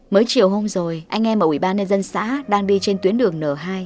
mới chiều hôm rồi anh em ở ủy ban nhân dân xã đang đi trên tuyến đường n hai